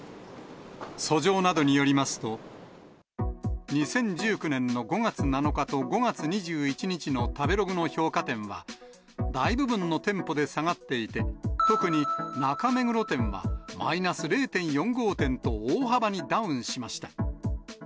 訴状などによりますと、２０１９年の５月７日と５月２１日の食べログの評価点は、大部分の店舗で下がっていて、特に中目黒店はマイナス０．４５点と、大幅にダウンしました。